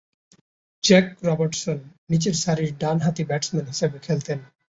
Jack Robertson নিচেরসারির ডানহাতি batsman হিসেবে খেলতেন।